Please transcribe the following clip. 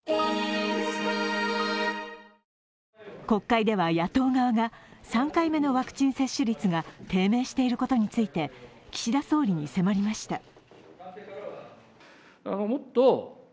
国会では野党側が、３回目のワクチン接種率が低迷していることについて岸田総理に迫りました。